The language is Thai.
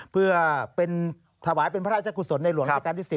เผื่อถวายเป็นพระราชคุณศรในหลวงการที่๑๐